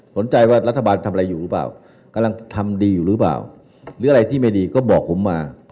สนใจว่ารัฐบาลทำอะไรอยู่หรือเปล่ากำลังทำดีอยู่หรือเปล่าหรืออะไรที่ไม่ดีก็บอกผมมา